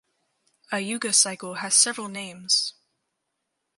A Yuga Cycle has several names.